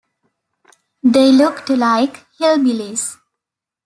They looked like hillbillies.